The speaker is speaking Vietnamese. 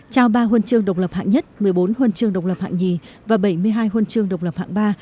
trao ba huân chương độc lập hạng nhất một mươi bốn huân chương độc lập hạng nhì và bảy mươi hai huân chương độc lập hạng ba